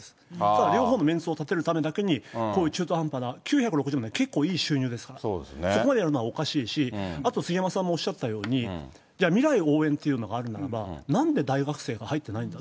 両方のめんつを立てるためだけに、こういう中途半端な、９６０万って結構いい収入ですから、そこまでやるのはおかしいですし、あと杉山さんもおっしゃったように、じゃあ、未来応援というのがあるならば、なんで大学生が入っていないのか。